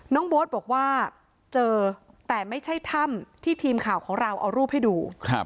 โบ๊ทบอกว่าเจอแต่ไม่ใช่ถ้ำที่ทีมข่าวของเราเอารูปให้ดู